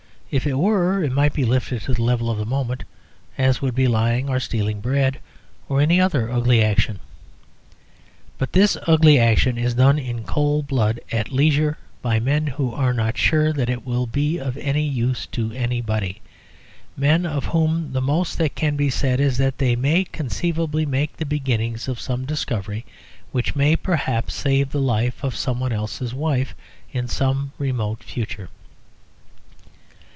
If it were it might be lifted to the level of the moment, as would be lying or stealing bread, or any other ugly action. But this ugly action is done in cold blood, at leisure, by men who are not sure that it will be of any use to anybody men of whom the most that can be said is that they may conceivably make the beginnings of some discovery which may perhaps save the life of some one else's wife in some remote future.